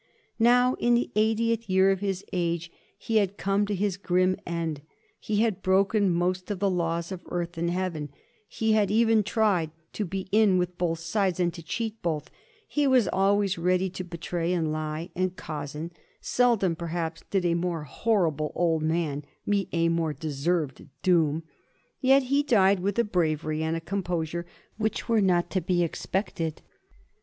Now, in the eigh tieth year of his age, he had come to his grim end. He had broken most of the laws of earth and of heaven ; he had ever tried to be in with both sides and to cheat both ; he was always ready to betray and lie and cozen ; seldom, perhaps, did a more horrible old man meet a more de served doom ; yet he died with a bravery and a composure which were not to be expected.